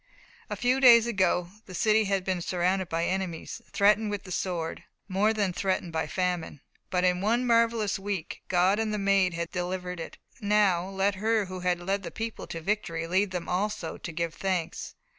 A few days ago the city had been surrounded by enemies, threatened with the sword, more than threatened by famine. But in one marvellous week God and the Maid had delivered it. Now let her who had led the people to victory lead them also to give thanks.